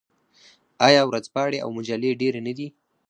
آیا ورځپاڼې او مجلې ډیرې نه دي؟